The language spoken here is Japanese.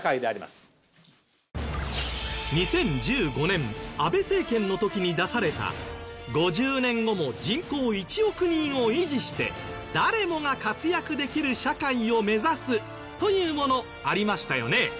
２０１５年安倍政権の時に出された５０年後も人口１億人を維持して誰もが活躍できる社会を目指すというものありましたよね。